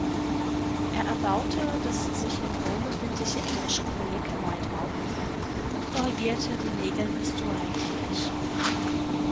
Er erbaute das sich in Rom befindliche Englische Kolleg erneut auf und korrigierte die Regeln des Douai College.